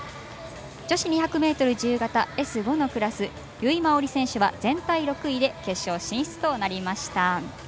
女子２００ｍ自由形Ｓ５のクラス由井真緒里選手は全体６位で決勝進出です。